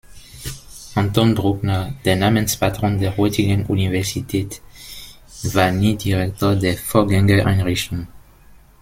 Anton Bruckner, der Namenspatron der heutigen Universität, war nie Direktor der Vorgängereinrichtung.